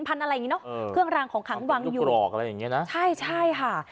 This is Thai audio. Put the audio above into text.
อะไรอย่างงีเนอะเครื่องรางของขังวางอยู่กรอกอะไรอย่างเงี้นะใช่ใช่ค่ะ